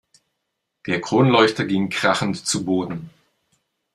Der Kronleuchter ging krachend zu Boden.